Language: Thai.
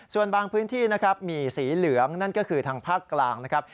ส่วนบางพื้นที่นะครับมีสีเหลืองนั่นก็คือทางภาคกลางนะครับ